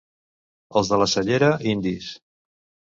Els de la Cellera, indis.